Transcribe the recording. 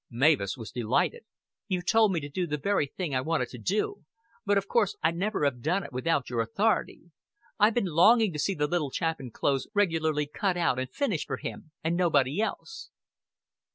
Mavis was delighted. "You've told me to do the very thing I wanted to do; but of course I'd never have done it without your authority. I've been longing to see the little chap in clothes regularly cut out and finished for him, and nobody else."